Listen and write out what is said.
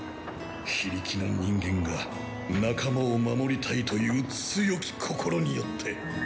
非力な人間が仲間を守りたいという強き心によって。